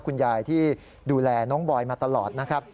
คุณยายที่ดูแลน้องบอยมาตลอดนะครับ